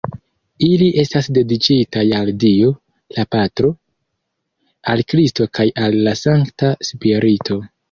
Ili estas dediĉitaj al Dio, la patro, al Kristo kaj al la Sankta Spirito.